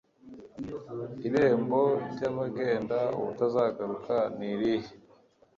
Irembo ry'abagenda ubutazagaruka nirihe